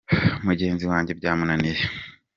Mugenzi wanjye byamunaniye.